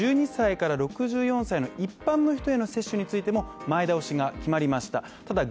１２歳から６４歳の一般の人への接種についても、前倒しが決まりました。